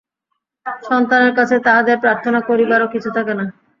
সন্তানের কাছে তাঁহাদের প্রার্থনা করিবারও কিছু থাকে না।